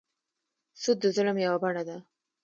سود د ظلم یوه بڼه ده.